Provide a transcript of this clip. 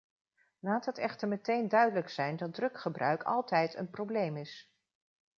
Laat het echter meteen duidelijk zijn dat druggebruik altijd een probleem is.